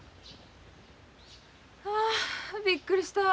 あびっくりした。